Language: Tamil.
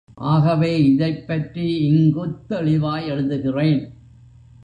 ஆகவே இதைப்பற்றி இங்குத் தெளிவாய் எழுதுகிறேன்.